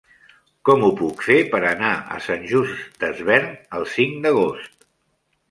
Com ho puc fer per anar a Sant Just Desvern el cinc d'agost?